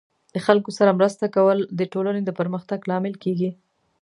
د خلکو سره مرسته کول د ټولنې د پرمختګ لامل کیږي.